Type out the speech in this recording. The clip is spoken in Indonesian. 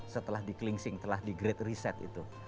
setelah di klingsing setelah di great reset itu